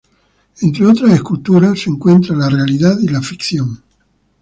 Entre otras esculturas se encuentran la Realidad y la Ficción.